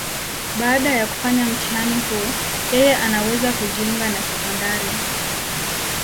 Baada ya kufanya mtihani huu, yeye anaweza kujiunga na sekondari.